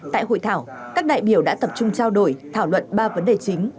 tại hội thảo các đại biểu đã tập trung trao đổi thảo luận ba vấn đề chính